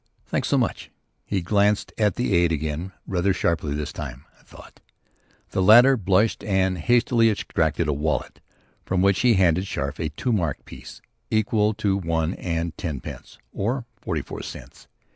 "Thanks so much." He glanced at the aide again; rather sharply this time, I thought. The latter blushed and hastily extracted a wallet, from which he handed Scarfe a two mark piece, equal to one and ten pence, or forty four cents.